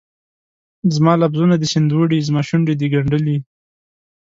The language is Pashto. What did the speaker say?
زما لفظونه دي سیند وړي، زماشونډې دي ګنډلي